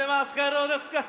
どうですか？